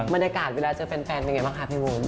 บรรยากาศเวลาเจอแฟนเป็นไงบ้างคะพี่วุ้น